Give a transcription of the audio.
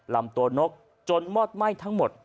ลำตัวนกจนมอดไหม้ทั้งหมด